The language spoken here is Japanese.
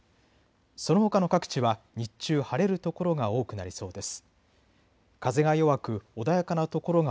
そのほかの各地は日中晴れる所が多くなりそうです。